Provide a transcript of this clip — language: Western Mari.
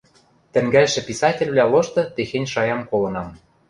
Тӹнгӓлшӹ писательвлӓ лошты техень шаям колынам: